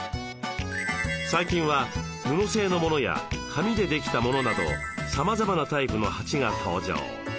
最近は布製のものや紙でできたものなどさまざまなタイプの鉢が登場。